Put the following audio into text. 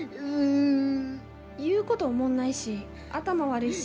言うことおもんないし頭悪いし。